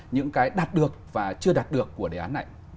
những cái đạt được và chưa đạt được của đề án này